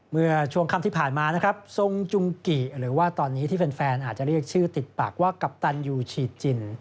เมื่อช่วงค่ำที่ผ่านมานะครับทรงจุงกิหรือว่าตอนนี้ที่แฟนอาจจะเรียกชื่อติดปากว่ากัปตันยูฉีดจิน